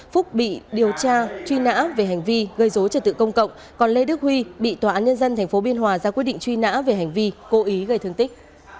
phúc bị điều tra truy nã về hành vi gây dối trật tự công cộng còn lê đức huy bị tòa án nhân dân tp biên hòa ra quyết định truy nã về hành vi cố ý gây thương tích